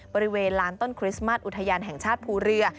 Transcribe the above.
บริเวณลานต้นคริสต์มัสอุทยานแห่งชาติภูเรือ